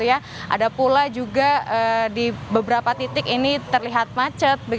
ada pula juga di beberapa titik ini terlihat macet